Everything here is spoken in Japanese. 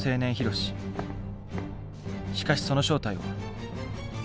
しかしその正体は。